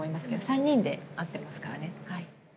３人で会ってますからねはい。